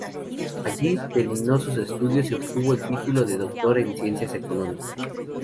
Allí, terminó sus estudios y obtuvo el título de Doctor en Ciencias Económicas.